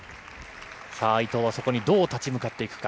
伊藤はそこにどう立ち向かっていくか。